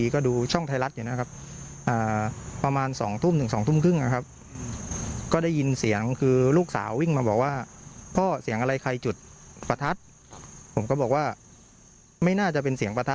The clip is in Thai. ก็บอกว่าไม่น่าจะเป็นเสียงประทัดมันน่าจะเป็นเสียงเปลือง